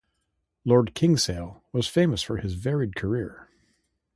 Lord Kingsale was famous for his varied career.